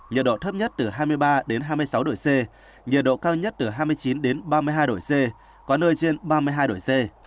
nhiệt độ thấp nhất từ hai mươi ba đến hai mươi sáu độ c nhiệt độ cao nhất từ hai mươi chín ba mươi hai độ c có nơi trên ba mươi hai độ c